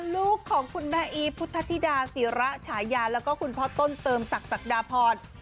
ลูกของคุณแม่อีฟพุทธธิดาศิระฉายาแล้วก็คุณพ่อต้นเติมศักดิพร